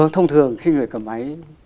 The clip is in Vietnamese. thông thường khi người cầm máy